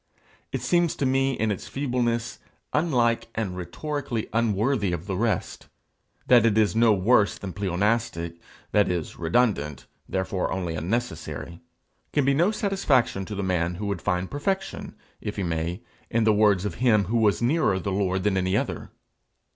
It seems to me in its feebleness, unlike, and rhetorically unworthy of the rest. That it is no worse than pleonastic, that is, redundant, therefore only unnecessary, can be no satisfaction to the man who would find perfection, if he may, in the words of him who was nearer the Lord than any other.